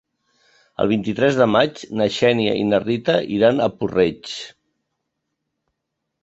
El vint-i-tres de maig na Xènia i na Rita iran a Puig-reig.